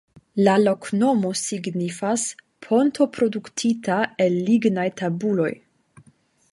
La loknomo signifas: "ponto produktita el lignaj tabuloj".